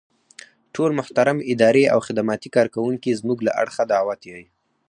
ټول محترم اداري او خدماتي کارکوونکي زمونږ له اړخه دعوت يئ.